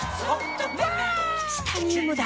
チタニウムだ！